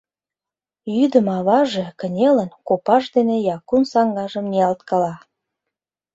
Йӱдым аваже, кынелын, копаж дене Якун саҥгажым ниялткала.